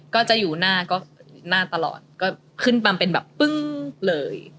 ก็จะอยู่หน้าก็หน้าตลอดก็ขึ้นบำเป็นแบบปึ้งเลย